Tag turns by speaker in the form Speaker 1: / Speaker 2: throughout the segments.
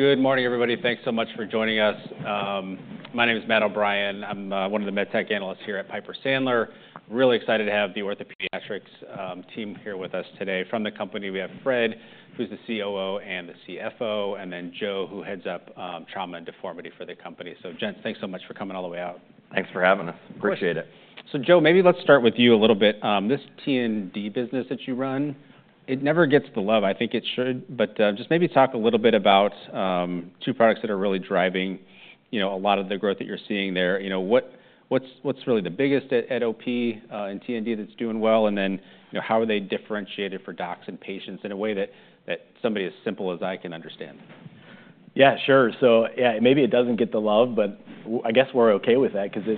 Speaker 1: Good morning, everybody. Thanks so much for joining us. My name is Matt O'Brien. I'm one of the med tech analysts here at Piper Sandler. Really excited to have the OrthoPediatrics team here with us today. From the company, we have Fred, who's the COO and the CFO, and then Joe, who heads up Trauma and Deformity for the company. So, gents, thanks so much for coming all the way out.
Speaker 2: Thanks for having us. Appreciate it.
Speaker 1: So Joe, maybe let's start with you a little bit. This T&D business that you run, it never gets the love, I think it should. But just maybe talk a little bit about two products that are really driving a lot of the growth that you're seeing there. What's really the biggest at OP and T&D that's doing well? And then how are they differentiated for docs and patients in a way that somebody as simple as I can understand?
Speaker 3: Yeah, sure. So maybe it doesn't get the love, but I guess we're OK with that because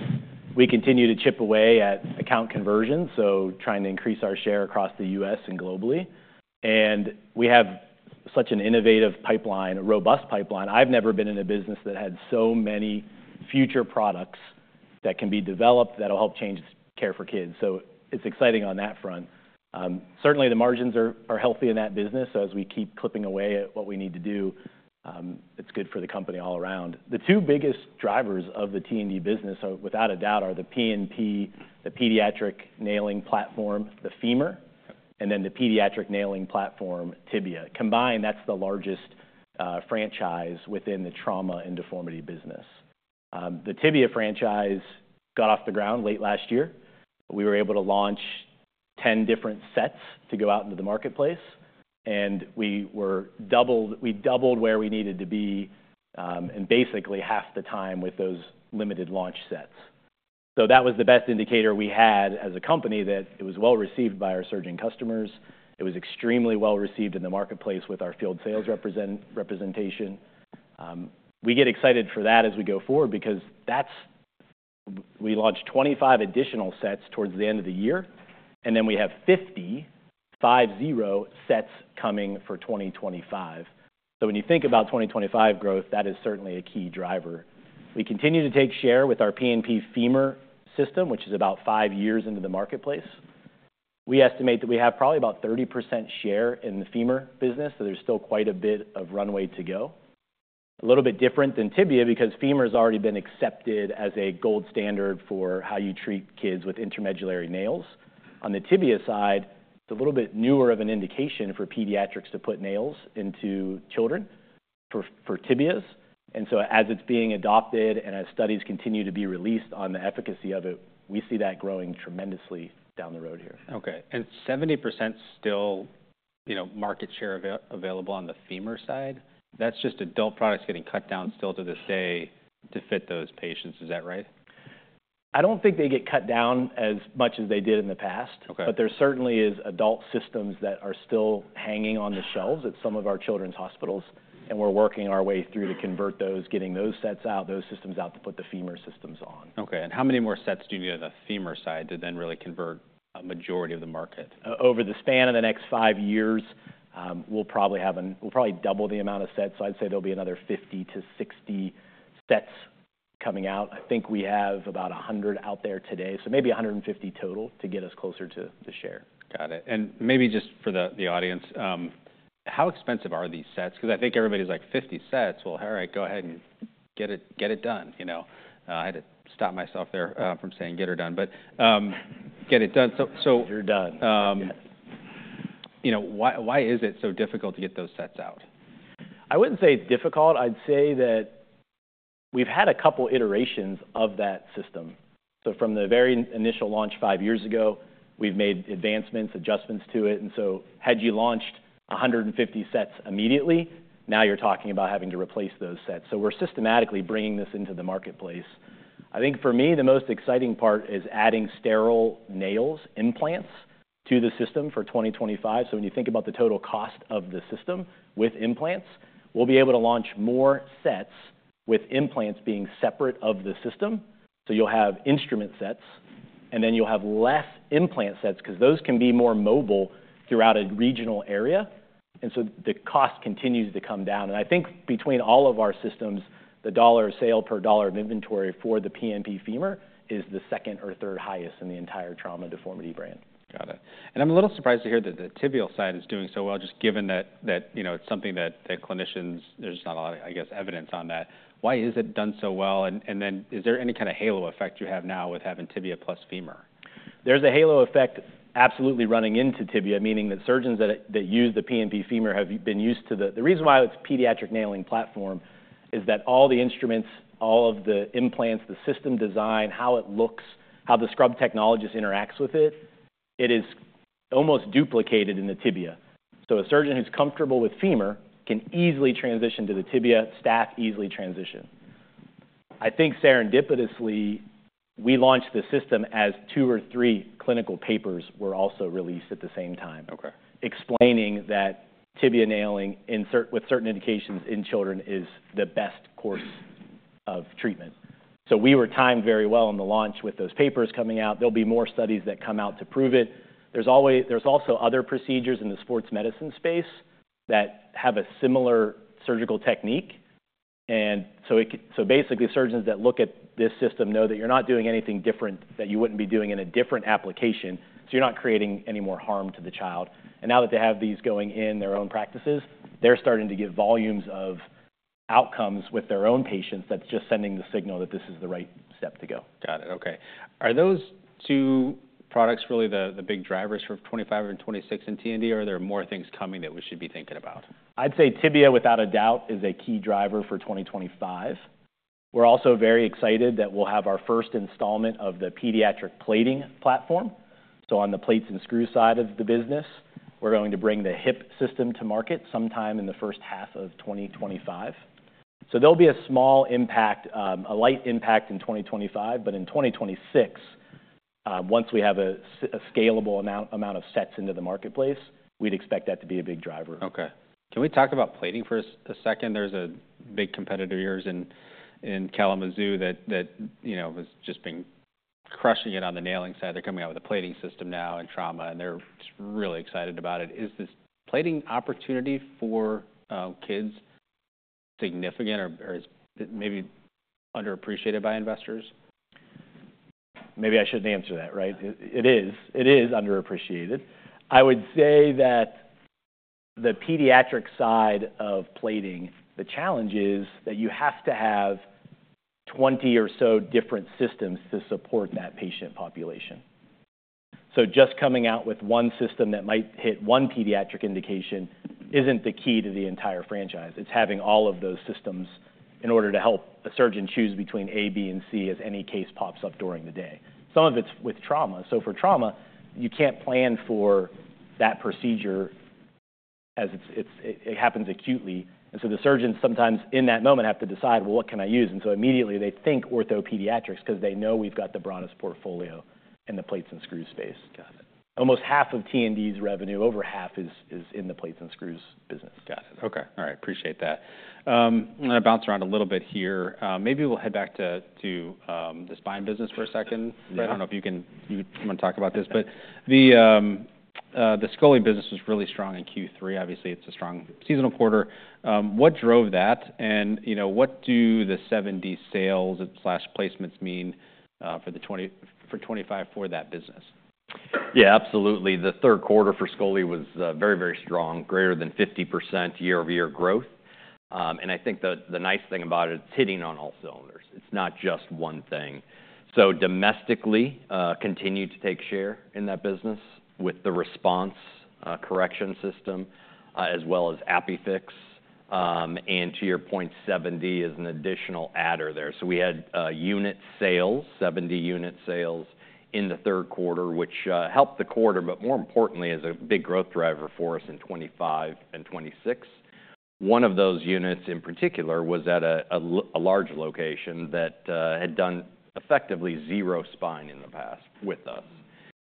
Speaker 3: we continue to chip away at account conversions, so trying to increase our share across the U.S. and globally. And we have such an innovative pipeline, a robust pipeline. I've never been in a business that had so many future products that can be developed that'll help change care for kids. So it's exciting on that front. Certainly, the margins are healthy in that business. So as we keep clipping away at what we need to do, it's good for the company all around. The two biggest drivers of the T&D business, without a doubt, are the PNP, the Pediatric Nailing Platform, the Femur, and then the Pediatric Nailing Platform, Tibia. Combined, that's the largest franchise within the Trauma and Deformity business. The tibia franchise got off the ground late last year. We were able to launch 10 different sets to go out into the marketplace. And we doubled where we needed to be and basically half the time with those limited launch sets. So that was the best indicator we had as a company that it was well received by our surgeon customers. It was extremely well received in the marketplace with our field sales representation. We get excited for that as we go forward because we launched 25 additional sets towards the end of the year. And then we have 50 5.0 sets coming for 2025. So when you think about 2025 growth, that is certainly a key driver. We continue to take share with our PNP Femur system, which is about five years into the marketplace. We estimate that we have probably about 30% share in the femur business. So there's still quite a bit of runway to go. A little bit different than Tibia because Femur has already been accepted as a gold standard for how you treat kids with intramedullary nails. On the Tibia side, it's a little bit newer of an indication for pediatrics to put nails into children for tibias. And so as it's being adopted and as studies continue to be released on the efficacy of it, we see that growing tremendously down the road here.
Speaker 1: OK. And 70% still market share available on the femur side. That's just adult products getting cut down still to this day to fit those patients. Is that right?
Speaker 3: I don't think they get cut down as much as they did in the past. But there certainly are adult systems that are still hanging on the shelves at some of our children's hospitals. And we're working our way through to convert those, getting those sets out, those systems out to put the femur systems on.
Speaker 1: OK. And how many more sets do you need on the femur side to then really convert a majority of the market?
Speaker 2: Over the span of the next five years, we'll probably double the amount of sets. So I'd say there'll be another 50 to 60 sets coming out. I think we have about 100 out there today. So maybe 150 total to get us closer to the share.
Speaker 1: Got it. And maybe just for the audience, how expensive are these sets? Because I think everybody's like, 50 sets. Well, all right, go ahead and get it done. I had to stop myself there from saying get it done. But get it done.
Speaker 3: You're done.
Speaker 1: Why is it so difficult to get those sets out?
Speaker 3: I wouldn't say difficult. I'd say that we've had a couple iterations of that system. So from the very initial launch five years ago, we've made advancements, adjustments to it. And so had you launched 150 sets immediately, now you're talking about having to replace those sets. So we're systematically bringing this into the marketplace. I think for me, the most exciting part is adding sterile nails, implants, to the system for 2025. So when you think about the total cost of the system with implants, we'll be able to launch more sets with implants being separate of the system. So you'll have instrument sets. And then you'll have less implant sets because those can be more mobile throughout a regional area. And so the cost continues to come down. I think between all of our systems, the dollar sale per dollar of inventory for the PNP Femur is the second or third highest in the entire Trauma and Deformity brand.
Speaker 1: Got it. And I'm a little surprised to hear that the tibial side is doing so well, just given that it's something that clinicians, there's not a lot of, I guess, evidence on that. Why is it done so well? And then is there any kind of halo effect you have now with having Tibia plus Femur?
Speaker 3: There's a halo effect absolutely running into tibia, meaning that surgeons that use the PNP Femur have been used to the reason why it's a pediatric nailing platform is that all the instruments, all of the implants, the system design, how it looks, how the scrub technologist interacts with it, it is almost duplicated in the Tibia. So a surgeon who's comfortable with Femur can easily transition to the Tibia. Staff easily transition. I think serendipitously, we launched the system as two or three clinical papers were also released at the same time, explaining that tibia nailing with certain indications in children is the best course of treatment. So we were timed very well on the launch with those papers coming out. There'll be more studies that come out to prove it. There's also other procedures in the sports medicine space that have a similar surgical technique. And so basically, surgeons that look at this system know that you're not doing anything different that you wouldn't be doing in a different application. So you're not creating any more harm to the child. And now that they have these going in their own practices, they're starting to get volumes of outcomes with their own patients that's just sending the signal that this is the right step to go.
Speaker 1: Got it. OK. Are those two products really the big drivers for 2025 and 2026 in T&D? Or are there more things coming that we should be thinking about?
Speaker 3: I'd say Tibia, without a doubt, is a key driver for 2025. We're also very excited that we'll have our first installment of the Pediatric Plating Platform. So on the plates and screws side of the business, we're going to bring the Hip system to market sometime in the first half of 2025. So there'll be a small impact, a light impact in 2025. But in 2026, once we have a scalable amount of sets into the marketplace, we'd expect that to be a big driver.
Speaker 1: OK. Can we talk about plating for a second? There's a big competitor of yours in Kalamazoo that was just been crushing it on the nailing side. They're coming out with a plating system now in trauma. And they're really excited about it. Is this plating opportunity for kids significant or maybe underappreciated by investors?
Speaker 3: Maybe I shouldn't answer that, right? It is. It is underappreciated. I would say that the pediatric side of plating, the challenge is that you have to have 20 or so different systems to support that patient population, so just coming out with one system that might hit one pediatric indication isn't the key to the entire franchise. It's having all of those systems in order to help a surgeon choose between A, B, and C as any case pops up during the day. Some of it's with trauma, so for trauma, you can't plan for that procedure as it happens acutely, and so the surgeons sometimes in that moment have to decide, well, what can I use, and so immediately they think OrthoPediatrics because they know we've got the broadest portfolio in the plates and screws space. Almost half of T&D's revenue, over half, is in the plates and screws business.
Speaker 1: Got it. OK. All right. Appreciate that. I'm going to bounce around a little bit here. Maybe we'll head back to the Spine business for a second. I don't know if you want to talk about this. But the Scoli business was really strong in Q3. Obviously, it's a strong seasonal quarter. What drove that? And what do the 7D sales/placements mean for 2025 for that business?
Speaker 2: Yeah, absolutely. The third quarter for Scoli was very, very strong, greater than 50% year-over-year growth. And I think the nice thing about it, it's hitting on all cylinders. It's not just one thing. So domestically, continued to take share in that business with the RESPONSE Correction system, as well as ApiFix. And to your point, 7D Surgical System is an additional adder. So we had unit sales, 7D unit sales in the third quarter, which helped the quarter, but more importantly, is a big growth driver for us in 2025 and 2026. One of those units in particular was at a large location that had done effectively zero spine in the past with us.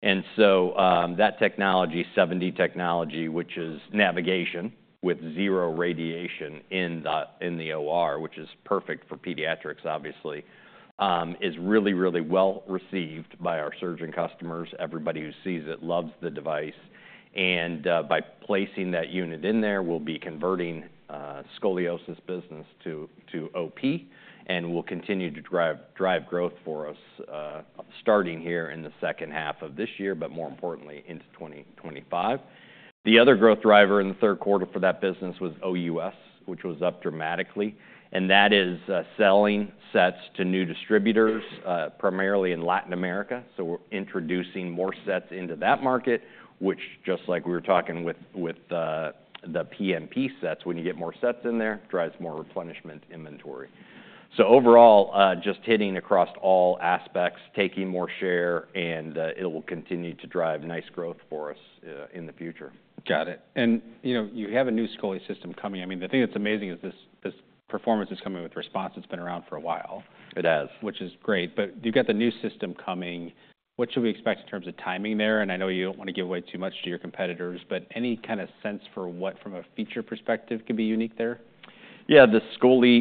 Speaker 2: And so that technology, 7D technology, which is navigation with zero radiation in the OR, which is perfect for pediatrics, obviously, is really, really well received by our surgeon customers. Everybody who sees it loves the device. By placing that unit in there, we'll be converting the Scoliosis business to OP. We'll continue to drive growth for us starting here in the second half of this year, but more importantly, into 2025. The other growth driver in the third quarter for that business was OUS, which was up dramatically. That is selling sets to new distributors, primarily in Latin America. We're introducing more sets into that market, which just like we were talking with the PNP sets, when you get more sets in there, drives more replenishment inventory. Overall, just hitting across all aspects, taking more share. It will continue to drive nice growth for us in the future.
Speaker 1: Got it. And you have a new Scoli system coming. I mean, the thing that's amazing is this performance is coming with RESPONSE. It's been around for a while.
Speaker 2: It has.
Speaker 1: Which is great. But you've got the new system coming. What should we expect in terms of timing there? And I know you don't want to give away too much to your competitors. But any kind of sense for what from a feature perspective could be unique there?
Speaker 2: Yeah, the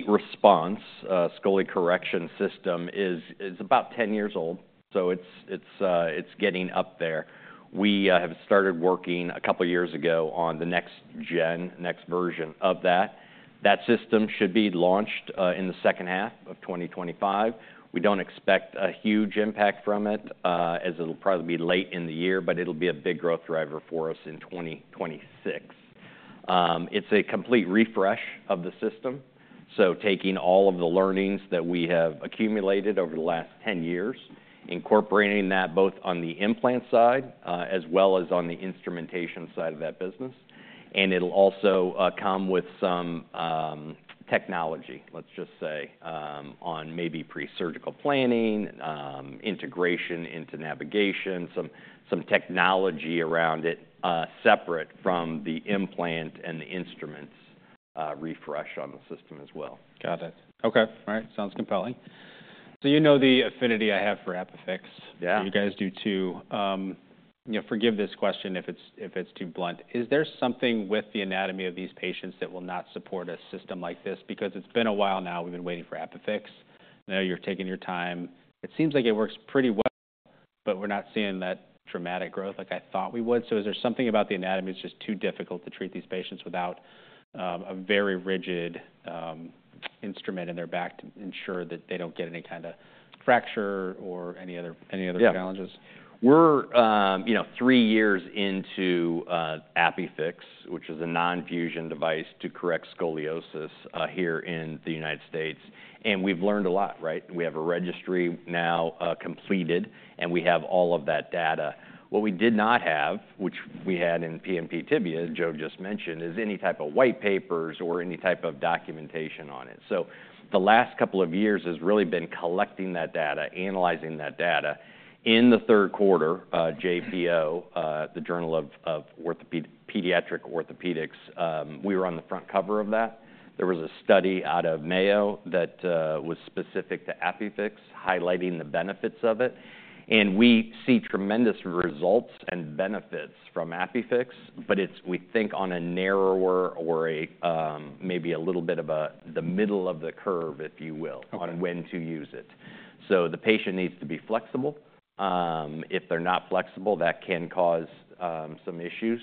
Speaker 2: RESPONSE Scoliosis Correction System is about 10 years old. So it's getting up there. We have started working a couple of years ago on the next gen, next version of that. That system should be launched in the second half of 2025. We don't expect a huge impact from it, as it'll probably be late in the year. But it'll be a big growth driver for us in 2026. It's a complete refresh of the system. So taking all of the learnings that we have accumulated over the last 10 years, incorporating that both on the implant side as well as on the instrumentation side of that business. And it'll also come with some technology, let's just say, on maybe presurgical planning, integration into navigation, some technology around it separate from the implant and the instruments refresh on the system as well.
Speaker 1: Got it. OK. All right. Sounds compelling. So you know the affinity I have for ApiFix. You guys do too. Forgive this question if it's too blunt. Is there something with the anatomy of these patients that will not support a system like this? Because it's been a while now. We've been waiting for ApiFix. I know you're taking your time. It seems like it works pretty well. But we're not seeing that dramatic growth like I thought we would. So is there something about the anatomy that's just too difficult to treat these patients without a very rigid instrument in their back to ensure that they don't get any kind of fracture or any other challenges?
Speaker 2: We're three years into ApiFix, which is a non-fusion device to correct scoliosis here in the United States. And we've learned a lot, right? We have a registry now completed. And we have all of that data. What we did not have, which we had in PNP Tibia, Joe just mentioned, is any type of white papers or any type of documentation on it. So the last couple of years has really been collecting that data, analyzing that data. In the third quarter, JPO, the Journal of Pediatric Orthopaedics, we were on the front cover of that. There was a study out of Mayo that was specific to ApiFix, highlighting the benefits of it. And we see tremendous results and benefits from ApiFix. But it's, we think, on a narrower or maybe a little bit of the middle of the curve, if you will, on when to use it. So the patient needs to be flexible. If they're not flexible, that can cause some issues.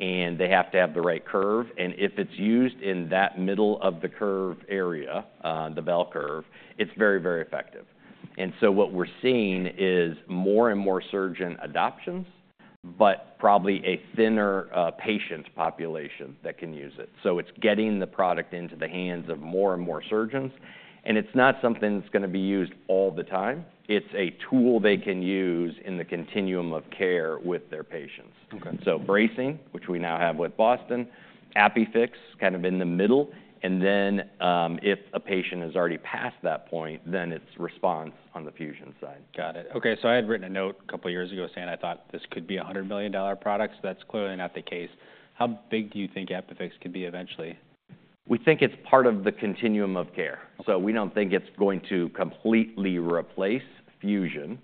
Speaker 2: And they have to have the right curve. And if it's used in that middle of the curve area, the bell curve, it's very, very effective. And so what we're seeing is more and more surgeon adoptions, but probably a thinner patient population that can use it. So it's getting the product into the hands of more and more surgeons. And it's not something that's going to be used all the time. It's a tool they can use in the continuum of care with their patients. So Bracing, which we now have with Boston, ApiFix, kind of in the middle. And then if a patient has already passed that point, then it's RESPONSE on the Fusion side.
Speaker 1: Got it. OK. So I had written a note a couple of years ago saying I thought this could be a $100 million product. That's clearly not the case. How big do you think ApiFix could be eventually?
Speaker 2: We think it's part of the continuum of care. So we don't think it's going to completely replace Fusion,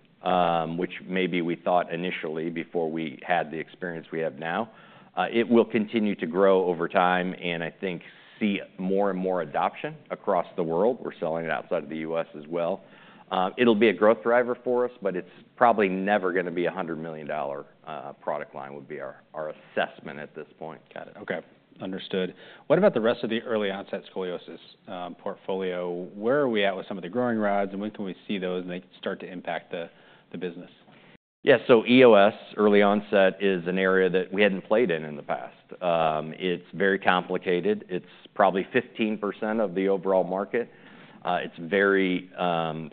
Speaker 2: which maybe we thought initially before we had the experience we have now. It will continue to grow over time and I think see more and more adoption across the world. We're selling it outside of the U.S. as well. It'll be a growth driver for us. But it's probably never going to be a $100 million product line, would be our assessment at this point.
Speaker 1: Got it. OK. Understood. What about the rest of the early onset scoliosis portfolio? Where are we at with some of the growing rods? And when can we see those and they start to impact the business?
Speaker 2: Yeah. So EOS, early onset, is an area that we hadn't played in in the past. It's very complicated. It's probably 15% of the overall market. It's very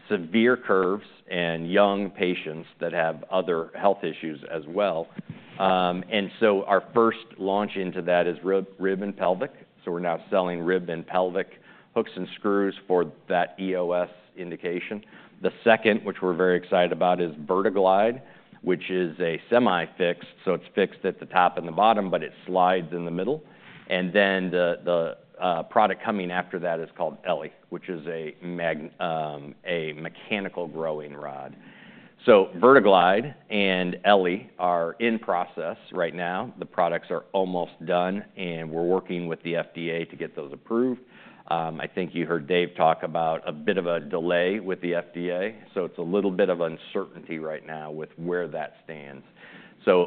Speaker 2: severe curves and young patients that have other health issues as well. And so our first launch into that is rib and pelvic. So we're now selling rib and pelvic hooks and screws for that EOS indication. The second, which we're very excited about, is VerteGlide, which is a semi-fixed. So it's fixed at the top and the bottom, but it slides in the middle. And then the product coming after that is called eLLi, which is a mechanical growing rod. So VerteGlide and eLLi are in process right now. The products are almost done. And we're working with the FDA to get those approved. I think you heard Dave talk about a bit of a delay with the FDA. It's a little bit of uncertainty right now with where that stands.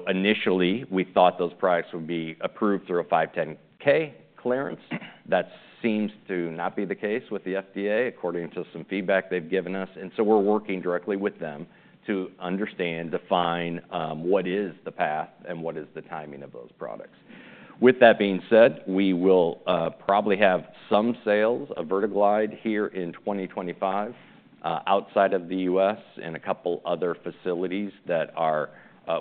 Speaker 2: Initially, we thought those products would be approved through a 510(k) clearance. That seems to not be the case with the FDA, according to some feedback they've given us. We're working directly with them to understand, define what is the path and what is the timing of those products. With that being said, we will probably have some sales of VerteGlide here in 2025 outside of the U.S. and a couple other facilities that are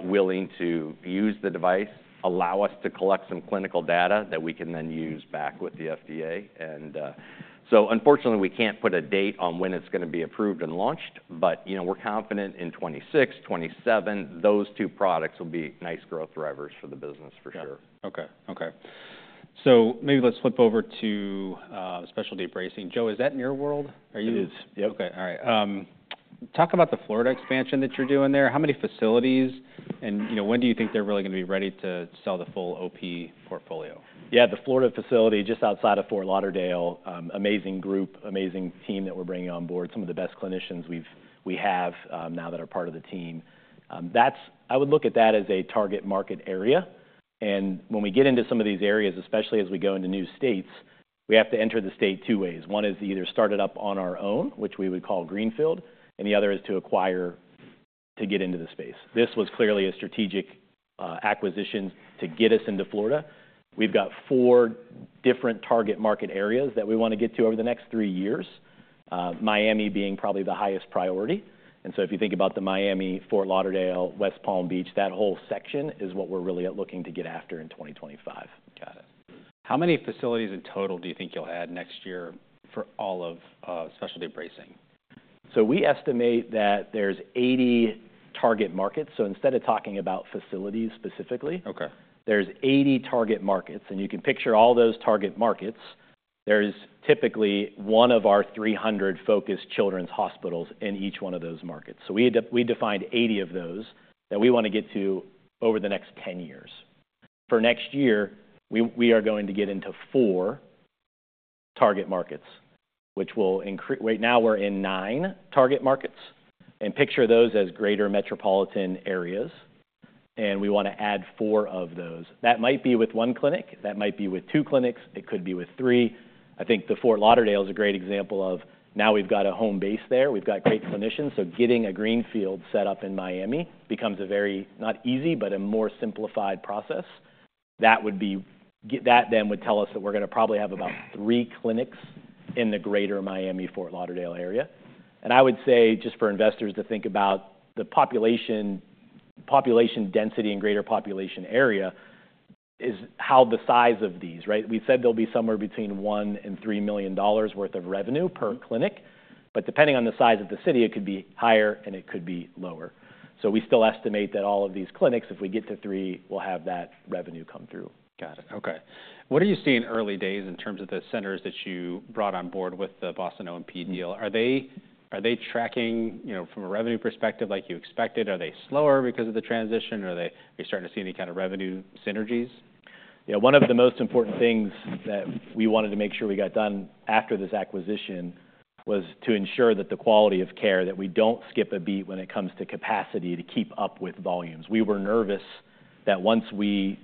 Speaker 2: willing to use the device, allow us to collect some clinical data that we can then use back with the FDA. Unfortunately, we can't put a date on when it's going to be approved and launched. We're confident in 2026, 2027, those two products will be nice growth drivers for the business for sure.
Speaker 1: OK. So maybe let's flip over to Specialty Bracing. Joe, is that in your world?
Speaker 3: It is. Yep.
Speaker 1: OK. All right. Talk about the Florida expansion that you're doing there. How many facilities? And when do you think they're really going to be ready to sell the full OP portfolio?
Speaker 3: Yeah, the Florida facility just outside of Fort Lauderdale, amazing group, amazing team that we're bringing on board, some of the best clinicians we have now that are part of the team. I would look at that as a target market area. And when we get into some of these areas, especially as we go into new states, we have to enter the state two ways. One is to either start it up on our own, which we would call greenfield. And the other is to acquire to get into the space. This was clearly a strategic acquisition to get us into Florida. We've got four different target market areas that we want to get to over the next three years, Miami being probably the highest priority. And so if you think about the Miami, Fort Lauderdale, West Palm Beach, that whole section is what we're really looking to get after in 2025.
Speaker 1: Got it. How many facilities in total do you think you'll add next year for all of Specialty Bracing?
Speaker 3: We estimate that there's 80 target markets. Instead of talking about facilities specifically, there's 80 target markets. You can picture all those target markets. There's typically one of our 300 focused children's hospitals in each one of those markets. We defined 80 of those that we want to get to over the next 10 years. For next year, we are going to get into four target markets, which will increase. Right now, we're in nine target markets. Picture those as greater metropolitan areas. We want to add four of those. That might be with one clinic. That might be with two clinics. It could be with three. I think the Fort Lauderdale is a great example of now we've got a home base there. We've got great clinicians. Getting a greenfield set up in Miami becomes a very not easy, but a more simplified process. That would be that then would tell us that we're going to probably have about three clinics in the greater Miami, Fort Lauderdale area. I would say just for investors to think about the population density in greater population area is how the size of these, right? We said they'll be somewhere between $1 million to $3 million worth of revenue per clinic. Depending on the size of the city, it could be higher and it could be lower. We still estimate that all of these clinics, if we get to three, we'll have that revenue come through.
Speaker 1: Got it. OK. What are you seeing early days in terms of the centers that you brought on board with the Boston Orthotics & Prosthetics deal? Are they tracking from a revenue perspective like you expected? Are they slower because of the transition? Are you starting to see any kind of revenue synergies?
Speaker 3: Yeah. One of the most important things that we wanted to make sure we got done after this acquisition was to ensure that the quality of care, that we don't skip a beat when it comes to capacity to keep up with volumes. We were nervous that once we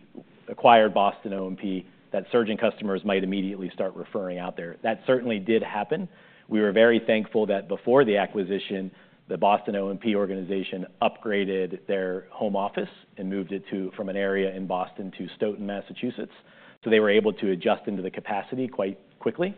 Speaker 3: acquired Boston O&P, that surgeon customers might immediately start referring out there. That certainly did happen. We were very thankful that before the acquisition, the Boston O&P organization upgraded their home office and moved it from an area in Boston to Stoughton, Massachusetts. So they were able to adjust into the capacity quite quickly.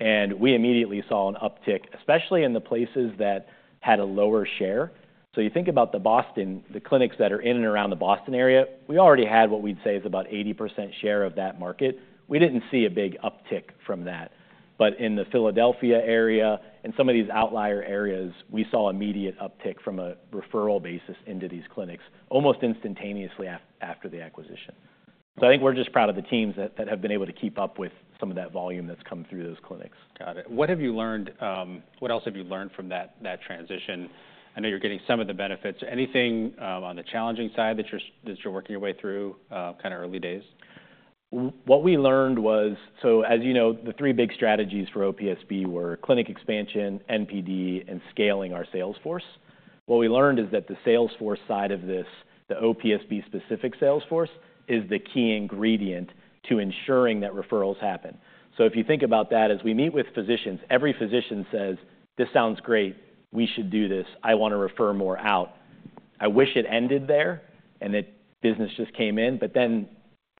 Speaker 3: And we immediately saw an uptick, especially in the places that had a lower share. So you think about the Boston, the clinics that are in and around the Boston area, we already had what we'd say is about 80% share of that market. We didn't see a big uptick from that, but in the Philadelphia area and some of these outlier areas, we saw immediate uptick from a referral basis into these clinics almost instantaneously after the acquisition, so I think we're just proud of the teams that have been able to keep up with some of that volume that's come through those clinics.
Speaker 1: Got it. What have you learned? What else have you learned from that transition? I know you're getting some of the benefits. Anything on the challenging side that you're working your way through kind of early days?
Speaker 3: What we learned was, so as you know, the three big strategies for OPSB were clinic expansion, NPD, and scaling our sales force. What we learned is that the sales force side of this, the OPSB specific sales force, is the key ingredient to ensuring that referrals happen. So if you think about that, as we meet with physicians, every physician says, "This sounds great. We should do this. I want to refer more out". I wish it ended there and that business just came in. But then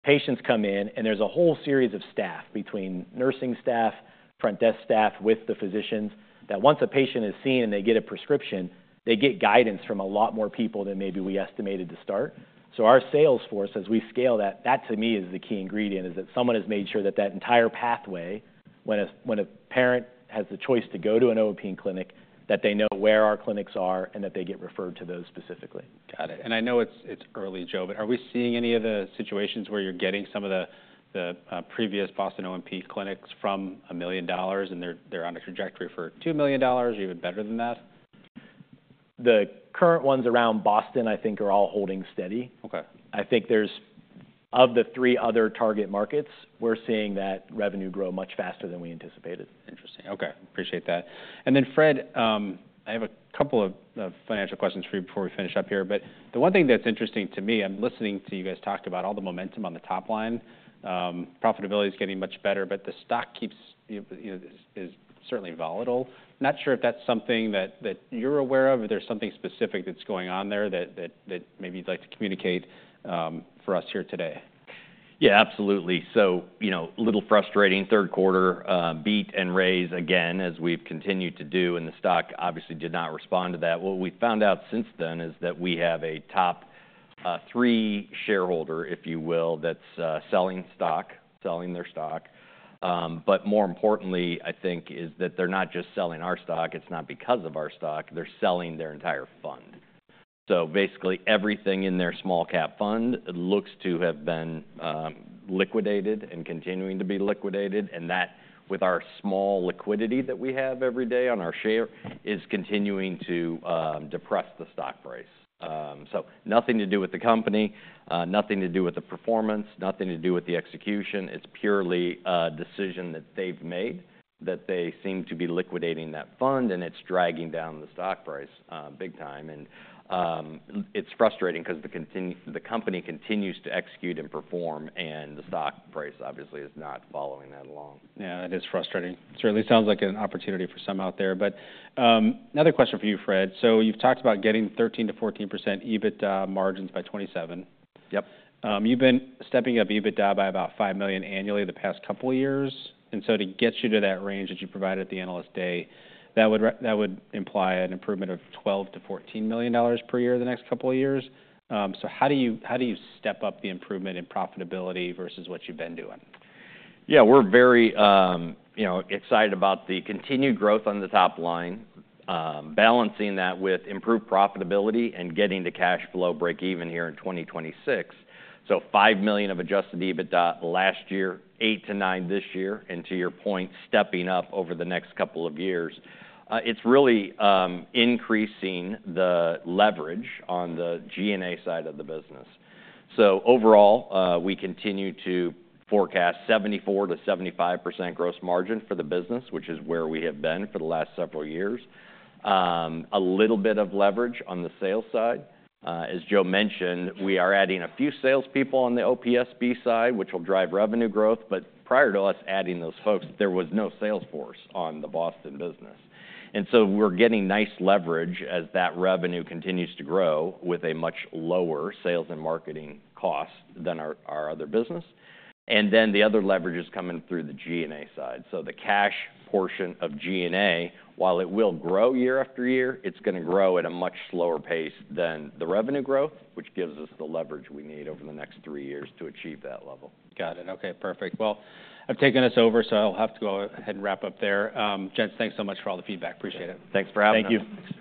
Speaker 3: patients come in. And there's a whole series of staff between nursing staff, front desk staff with the physicians that once a patient is seen and they get a prescription, they get guidance from a lot more people than maybe we estimated to start. So, our sales force, as we scale that, that to me is the key ingredient that someone has made sure that entire pathway, when a parent has the choice to go to an O&P clinic, that they know where our clinics are and that they get referred to those specifically.
Speaker 1: Got it. And I know it's early, Joe, but are we seeing any of the situations where you're getting some of the previous Boston O&P clinics from $1 million and they're on a trajectory for $2 million or even better than that?
Speaker 3: The current ones around Boston, I think, are all holding steady. I think there's, of the three other target markets, we're seeing that revenue grow much faster than we anticipated.
Speaker 1: Interesting. OK. Appreciate that. And then, Fred, I have a couple of financial questions for you before we finish up here. But the one thing that's interesting to me, I'm listening to you guys talk about all the momentum on the top line. Profitability is getting much better. But the stock keeps, is certainly volatile. Not sure if that's something that you're aware of. There's something specific that's going on there that maybe you'd like to communicate for us here today.
Speaker 2: Yeah, absolutely. So a little frustrating third quarter, beat and raise again, as we've continued to do. And the stock obviously did not respond to that. What we found out since then is that we have a top three shareholder, if you will, that's selling stock, selling their stock. But more importantly, I think, is that they're not just selling our stock. It's not because of our stock. They're selling their entire fund. So basically, everything in their small cap fund looks to have been liquidated and continuing to be liquidated. And that, with our small liquidity that we have every day on our share, is continuing to depress the stock price. So nothing to do with the company, nothing to do with the performance, nothing to do with the execution. It's purely a decision that they've made that they seem to be liquidating that fund. And it's dragging down the stock price big time. And it's frustrating because the company continues to execute and perform. And the stock price, obviously, is not following that along.
Speaker 1: Yeah, that is frustrating. Certainly sounds like an opportunity for some out there. But another question for you, Fred. So you've talked about getting 13% to 14% EBITDA margins by 2027.
Speaker 2: Yep.
Speaker 1: You've been stepping up EBITDA by about $5 million annually the past couple of years. And so to get you to that range that you provided at the analyst day, that would imply an improvement of $12 million to $14 million per year the next couple of years. So how do you step up the improvement in profitability versus what you've been doing?
Speaker 2: Yeah, we're very excited about the continued growth on the top line, balancing that with improved profitability and getting the cash flow break even here in 2026. $5 million of adjusted EBITDA last year, $8 million to $9 million this year. To your point, stepping up over the next couple of years, it's really increasing the leverage on the G&A side of the business. Overall, we continue to forecast 74%-75% gross margin for the business, which is where we have been for the last several years. A little bit of leverage on the sales side. As Joe mentioned, we are adding a few salespeople on the OPSB side, which will drive revenue growth. But prior to us adding those folks, there was no sales force on the Boston business. And so we're getting nice leverage as that revenue continues to grow with a much lower sales and marketing cost than our other business. And then the other leverage is coming through the G&A side. So the cash portion of G&A, while it will grow year after year, it's going to grow at a much slower pace than the revenue growth, which gives us the leverage we need over the next three years to achieve that level.
Speaker 1: Got it. OK, perfect. Well, I've taken us over. So I'll have to go ahead and wrap up there. Gents, thanks so much for all the feedback. Appreciate it.
Speaker 2: Thanks for having us.
Speaker 1: Thank you.